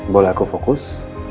boleh aku fokus